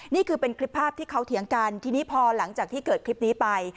นี่คือเป็นคลิปภาพที่เขาเถียงกันทีนี้พอหลังจากที่เกิดคลิปนี้ไป